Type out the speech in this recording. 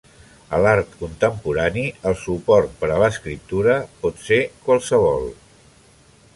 A l'art contemporani, el suport per a l'escriptura pot ser qualsevol.